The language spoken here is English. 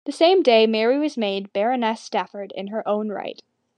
The same day Mary was made Baroness Stafford in her own right.